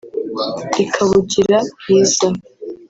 rikabugira bwiza